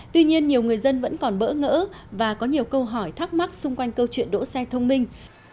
tuy nhiên nhiều người dân vẫn còn bỡ ngỡ và có nhiều câu hỏi thắc mắc xung quanh câu chuyện đỗ xe thông minh